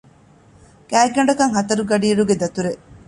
ގާތްގަނޑަކަށް ހަތަރު ގަޑިއިރުގެ ދަތުރެއް